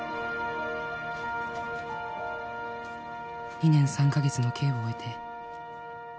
「２年３カ月の刑を終えて」